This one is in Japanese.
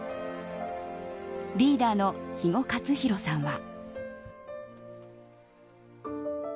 リーダーの肥後克広さんは。